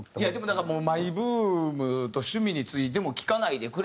だからマイブームと趣味についても聞かないでくれ。